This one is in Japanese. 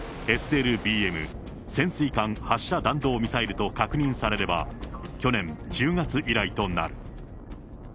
ＳＬＢＭ・潜水艦発射弾道ミサイルと確認されれば去年１０月以来となる。